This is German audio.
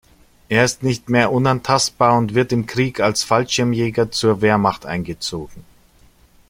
Er ist nicht mehr unantastbar und wird im Krieg als Fallschirmjäger zur Wehrmacht eingezogen.